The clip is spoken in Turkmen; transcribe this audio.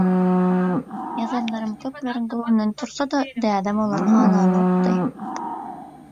Ýazanlarym köpleriň göwnünden tursa-da, dädem olary halanokdy.